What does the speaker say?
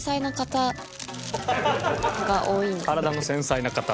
体の繊細な方。